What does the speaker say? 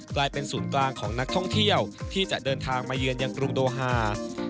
กลายเป็นศูนย์กลางของนักท่องเที่ยวที่จะเดินทางมาเยือนยังกรุงโดฮา